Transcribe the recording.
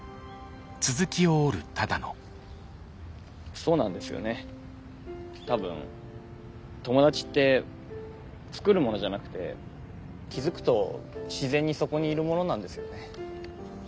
そうなんですよね多分友達って作るものじゃなくて気付くと自然にそこにいるものなんですよね。